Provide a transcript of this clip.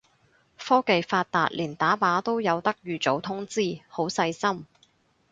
科技發達連打靶都有得預早通知，好細心